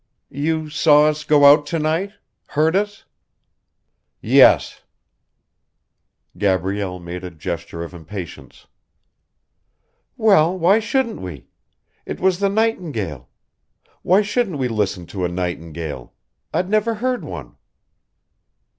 "You saw us go out to night ... heard us?" "Yes." Gabrielle made a gesture of impatience. "Well, why shouldn't we? It was the nightingale. Why shouldn't we listen to a nightingale? I'd never heard one."